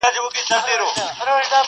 • حقيقت د دود للاندي پټيږي تل..